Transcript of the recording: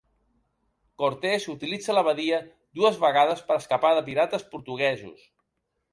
Cortés utilitza la badia dues vegades per escapar de pirates portuguesos.